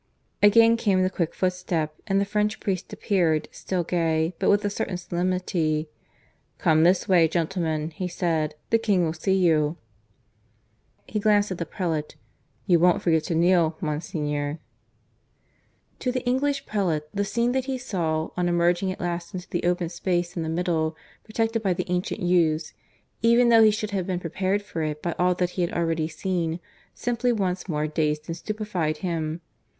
Again came the quick footstep, and the French priest appeared, still gay, but with a certain solemnity. "Come this way, gentlemen," he said. "The King will see you." (He glanced at the prelate.) "You won't forget to kneel, Monsignor." To the English prelate the scene that he saw, on emerging at last into the open space in the middle, protected by the ancient yews even though he should have been prepared for it by all that he had already seen simply once more dazed and stupefied him.